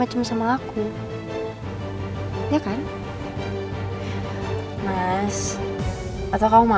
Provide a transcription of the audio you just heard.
ma mama gak usah masak ya